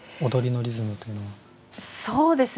そうですね。